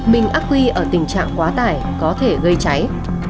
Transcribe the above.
bình ác quy ở tình trạng quá tải có thể gây cháy